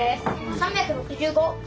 ３６５。